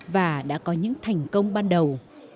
và đã có những thành công ban đầu